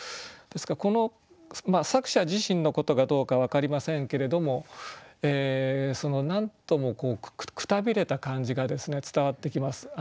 この作者自身のことかどうか分かりませんけれども何ともくたびれた感じが伝わってきます。